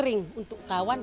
kiek kiek rah dasm